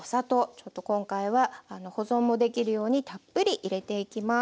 ちょっと今回は保存もできるようにたっぷり入れていきます。